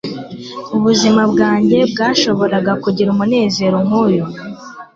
ubuzima bwanjye bwashoboraga kugira umunezero nkuyu